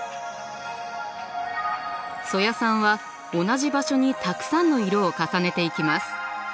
曽谷さんは同じ場所にたくさんの色を重ねていきます。